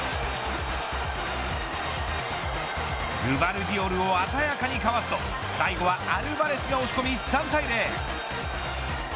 グヴァルディオルを鮮やかにかわすと最後はアルヴァレスが押し込み３対０。